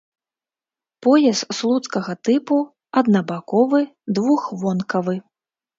Пояс слуцкага тыпу аднабаковы двухвонкавы.